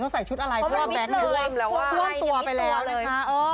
เขาใส่ชุดอะไรเพราะว่าแบงค์นี้พ่วนตัวไปแล้วเลยค่ะ